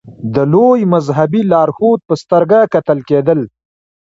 د لوی مذهبي لارښود په سترګه کتل کېدل.